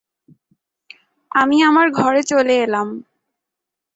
আমি আমার ঘরে চলে এলাম।